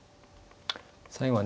最後はね